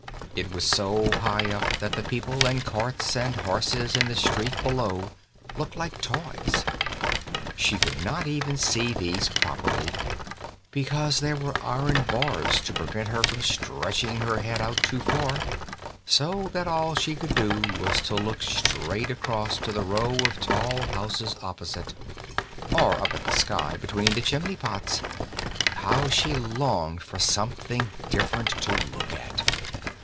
It was so high up that the people and carts and horses in the street below looked like toys. She could not even see these properly, because there were iron bars to prevent her from stretching her head out too far, so that all she could do was to look straight across to the row of tall houses opposite, or up at the sky between the chimney pots. How she longed for something different to look at!